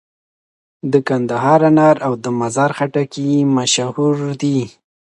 د کندهار انار او د مزار خټکي مشهور دي.